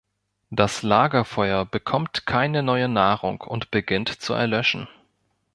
Das Lagerfeuer bekommt keine neue Nahrung und beginnt zu erlöschen.